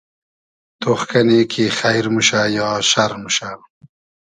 تۉخ کئنی کی خݷر موشۂ یا شئر موشۂ